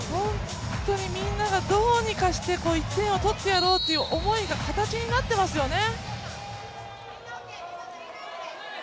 本当にみんながどうにかして１点を取ってやろうという思いが形になってますよね。